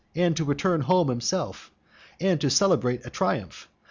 and to return home himself? and to celebrate a triumph?